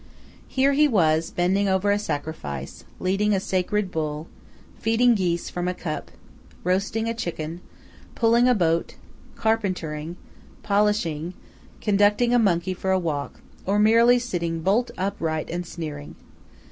Here he was bending over a sacrifice, leading a sacred bull, feeding geese from a cup, roasting a chicken, pulling a boat, carpentering, polishing, conducting a monkey for a walk, or merely sitting bolt upright and sneering.